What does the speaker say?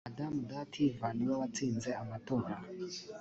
madamu dativa niwe wtsinze amatora.